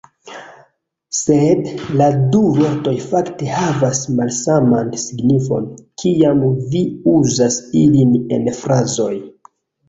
Sed la du vortoj fakte havas malsaman signifon, kiam vi uzas ilin en frazoj.